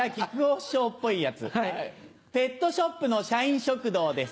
ペットショップの社員食堂です。